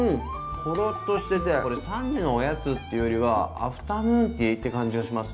ホロッとしててこれ３時のおやつっていうよりはアフタヌーンティーって感じがします。